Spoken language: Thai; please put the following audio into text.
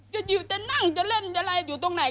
จะนั่งจะเล่นจะอะไรอยู่ตรงไหน